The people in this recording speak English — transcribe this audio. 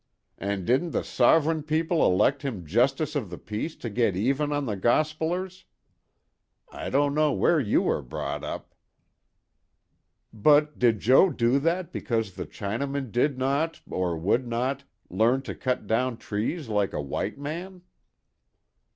And didn't the sovereign people elect him Justice of the Peace to get even on the gospelers? I don't know where you were brought up." "But did Jo. do that because the Chinaman did not, or would n'ot, learn to cut down trees like a white man?"